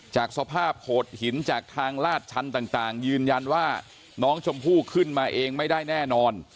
จากสภาพโขดหินจากทางลาดชันต่างยืนยันว่าน้องชมพู่ขึ้นมาเองไม่ได้แน่นอน